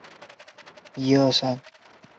此外还有一些当地人为集中营提供食品。